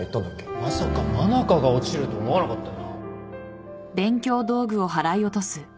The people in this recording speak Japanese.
まさか真中が落ちるとは思わなかったよな